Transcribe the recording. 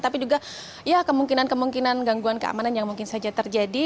tapi juga ya kemungkinan kemungkinan gangguan keamanan yang mungkin saja terjadi